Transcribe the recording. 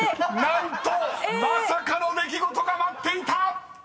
［何とまさかの出来事が待っていた！］